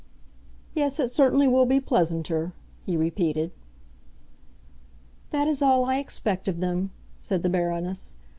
"Yes, it certainly will be pleasanter," he repeated. "That is all I expect of them," said the Baroness.